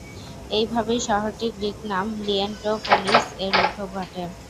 এইভাবেই শহরটির গ্রিক নাম "লিয়েন্টোপোলিস"-এর উদ্ভব ঘটে।